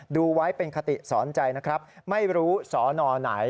ดูไว้เป็นคติสอนใจนะครับไม่รู้สอนอไหน